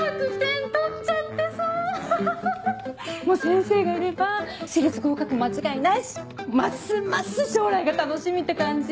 もう先生がいれば私立合格間違いないしますます将来が楽しみって感じ！